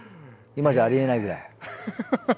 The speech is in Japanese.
今じゃありえないぐらい。